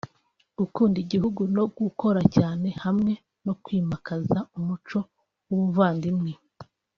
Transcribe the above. gukunda igihugu no gukora cyane hamwe no kwimakaza umuco w’ubuvandimwe